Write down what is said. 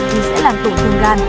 thì sẽ làm tổn thương gan